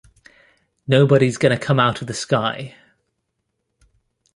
Nobody's gonna come out of the sky!